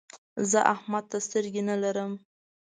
زه احمد ته سترګې نه لرم.